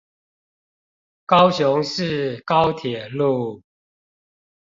高雄市高鐵路